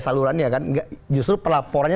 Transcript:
salurannya kan justru pelaporannya